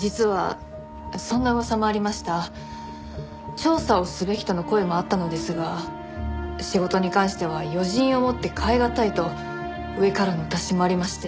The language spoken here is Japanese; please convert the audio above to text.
調査をすべきとの声もあったのですが仕事に関しては余人をもって代えがたいと上からのお達しもありまして。